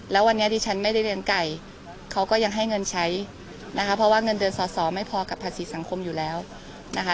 แล้ววันนี้ดิฉันไม่ได้เรียนไก่เขาก็ยังให้เงินใช้นะคะเพราะว่าเงินเดือนสอสอไม่พอกับภาษีสังคมอยู่แล้วนะคะ